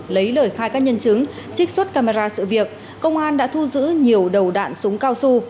lấy lời khai các nhân chứng trích xuất camera sự việc công an đã thu giữ nhiều đầu đạn súng cao su